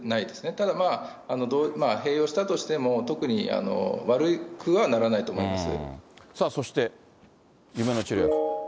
ただ、併用したとしても、特に、悪くはならないと思います。